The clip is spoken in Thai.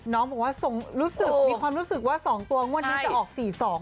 น้องบอกว่ารู้สึกมีความรู้สึกว่า๒ตัวงวดนี้จะออกสี่สอง